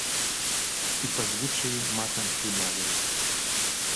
І па звычаі матам прыбавіла.